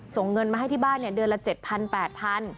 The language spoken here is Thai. ส่งเงินมาให้ที่บ้านเดือนละ๗๐๐๘๐๐บาท